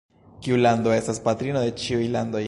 Kiu lando estas patrino de ĉiuj landoj?